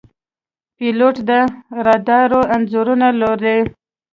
پیلوټ د رادار انځورونه لولي.